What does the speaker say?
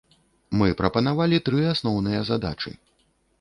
Мы прапанавалі тры асноўныя задачы.